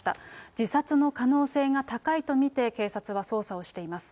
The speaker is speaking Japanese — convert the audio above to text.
自殺の可能性が高いと見て、警察は捜査をしています。